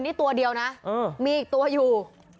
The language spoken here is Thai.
นี่ตัวเดียวนะมีอีกตัวอยู่